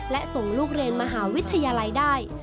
และส่งลูกเรียนมหาวิทยาลัยได้